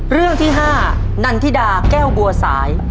เรื่องที่๕นันทิดาแก้วบัวสาย